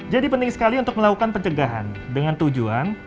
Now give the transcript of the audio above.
jadi penting sekali untuk melakukan pencegahan dengan tujuan